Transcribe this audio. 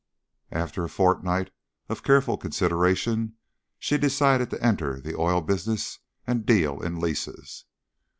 After a fortnight of careful consideration she decided to enter the oil business and deal in leases.